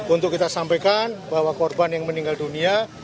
untuk kita sampaikan bahwa korban yang meninggal dunia